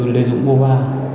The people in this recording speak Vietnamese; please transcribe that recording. lê dũng bô ba